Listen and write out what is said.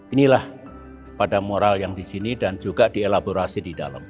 inilah pada moral yang di sini dan juga dielaborasi di dalam